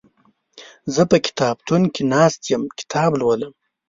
زه په کتابتون کې ناست يم کتاب لولم